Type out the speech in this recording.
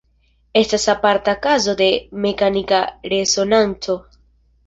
Estas aparta kazo de mekanika resonanco.